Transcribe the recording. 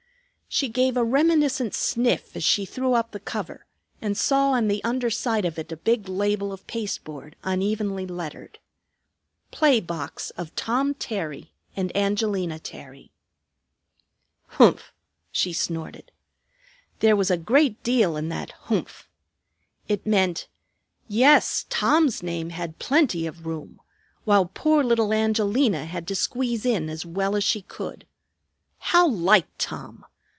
She gave a reminiscent sniff as she threw up the cover and saw on the under side of it a big label of pasteboard unevenly lettered. [Illustration: PLAY BOX OF TOM TERRY AND ANGELINA TERRY (scrawl)] "Humph!" she snorted. There was a great deal in that "humph." It meant: Yes, Tom's name had plenty of room, while poor little Angelina had to squeeze in as well as she could. How like Tom!